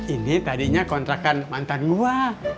ini tadinya kontrakan mantan luwa